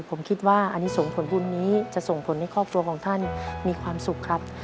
ผมคิดว่าอันนี้ส่งผลบุญนี้จะส่งผลให้ครอบครัวของท่านมีความสุขครับ